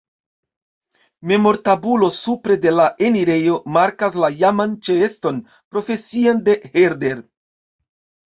Memortabulo supre de la enirejo markas la iaman ĉeeston profesian de Herder.